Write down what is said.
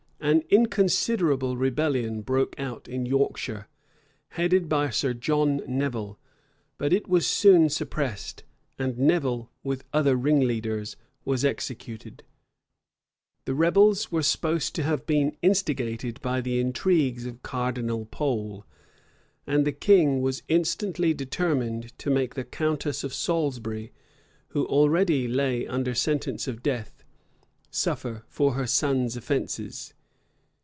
An inconsiderable rebellion broke out in Yorkshire, headed by Sir John Nevil; but it was soon suppressed, and Nevil, with other ringleaders, was executed. The rebels were supposed to have been instigated by the intrigues of Cardinal Pole; and the king was instantly determined to make the countess of Salisbury, who already lay under sentence of death, suffer for her son's offences.